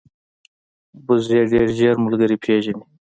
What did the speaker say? وزې ډېر ژر ملګري پېژني